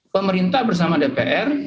pemerintah bersama dpr